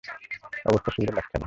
অবস্থা সুবিধার লাগছে না।